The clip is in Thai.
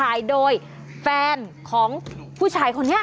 ถ่ายโดยแฟนของผู้ชายคนนี้